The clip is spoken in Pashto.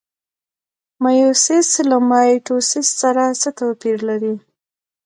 میوسیس له مایټوسیس سره څه توپیر لري؟